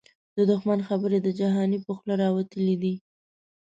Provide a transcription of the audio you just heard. د دښمن خبري د جهانی په خوله راوتلی دې